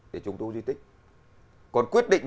để chúng tôi di tích còn quyết định